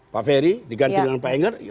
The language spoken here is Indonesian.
pak ferry diganti dengan pak enger